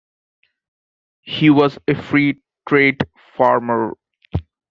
He was a free-trade farmer.